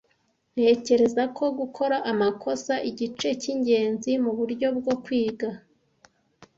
Ntekereza gukora amakosa igice cyingenzi muburyo bwo kwiga.